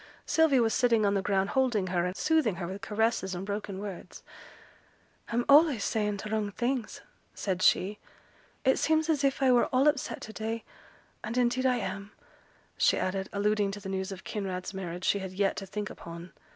Sylvia was sitting on the ground holding her, and soothing her with caresses and broken words. 'I'm allays saying t' wrong things,' said she. 'It seems as if I were all upset to day; and indeed I am;' she added, alluding to the news of Kinraid's marriage she had yet to think upon.